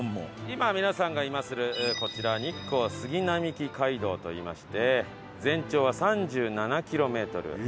今皆さんがいまするこちらは日光杉並木街道といいまして全長は３７キロメートル。